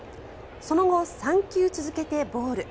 その後、３球続けてボール。